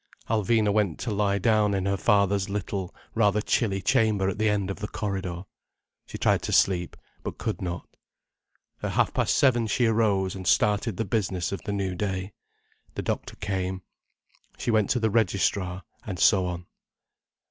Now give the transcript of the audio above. Alvina went to lie down in her father's little, rather chilly chamber at the end of the corridor. She tried to sleep, but could not. At half past seven she arose, and started the business of the new day. The doctor came—she went to the registrar—and so on.